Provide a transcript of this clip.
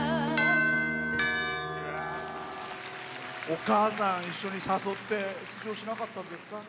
お母さん一緒に誘って出場しなかったんですか？